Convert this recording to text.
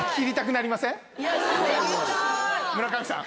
村上さん